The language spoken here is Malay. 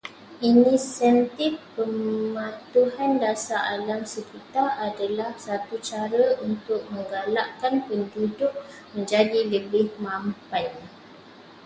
Insentif pematuhan dasar alam sekitar adalah satu cara untuk menggalakkan penduduk menjadi lebih mampan